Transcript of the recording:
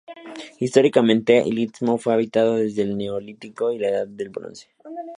Históricamente, el istmo fue habitado desde el Neolítico y la Edad del Bronce.